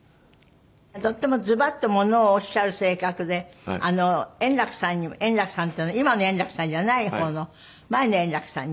とってもズバッと物をおっしゃる性格であの圓楽さんにも圓楽さんっていうのは今の円楽さんじゃない方の前の圓楽さんに。